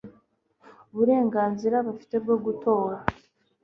burenganzira bafite bwo gutora